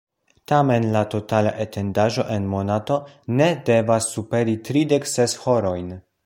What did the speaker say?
Tamen la totala etendaĵo en monato ne devas superi tridek ses horojn.